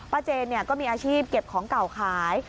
เจนก็มีอาชีพเก็บของเก่าขาย